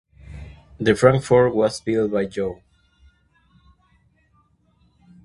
The "Frankfurt" was built by Joh.